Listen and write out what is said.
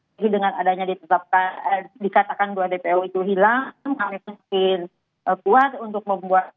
jadi dengan adanya dikatakan dua dpo itu hilang kami mungkin buat untuk membuat